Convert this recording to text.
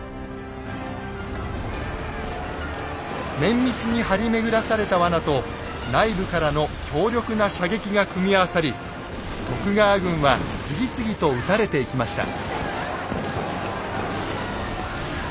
綿密に張り巡らされた罠と内部からの強力な射撃が組み合わさり徳川軍は次々と討たれていきました。